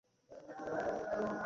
এটা ওর আর আমার মধ্যকার সমস্যা।